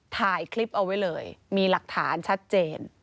ถ่ายคลิปเอาไว้เลยมีหลักฐานชัดเจน